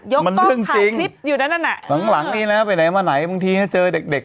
ยกกล้องถ่ายคลิปอยู่นั่นน่ะน่ะหลังหลังนี่นะไปไหนมาไหนบางทีเจอเด็กเด็ก